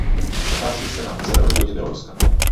Nachází se na severovýchodě Běloruska.